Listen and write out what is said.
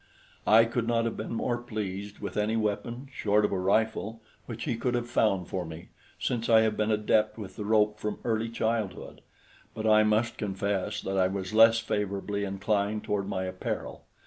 I could not have been more pleased with any weapon, short of a rifle, which he could have found for me, since I have been adept with the rope from early childhood; but I must confess that I was less favorably inclined toward my apparel.